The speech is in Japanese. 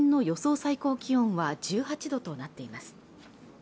最高気温は１８度となっています